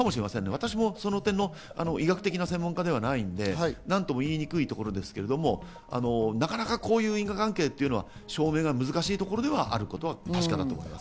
私もその点の医学的な専門家ではないので何とも言いにくいんですけれど、こういう因果関係というのはなかなか証明が難しいところではあるのは確かです。